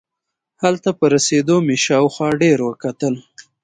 هلته په رسېدو مې شاوخوا ډېر وکتل.